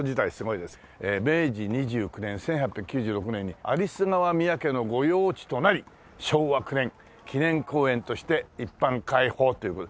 「明治２９年１８９６年に有栖川宮家の御用地となり昭和９年記念公園として一般開放」という事で。